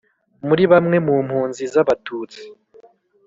muri bamwe mu mpunzi z'abatutsi,